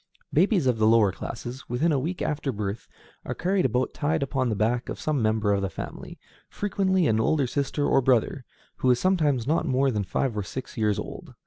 Babies of the lower classes, within a few weeks after birth, are carried about tied upon the back of some member of the family, frequently an older sister or brother, who is sometimes not more than five or six years old.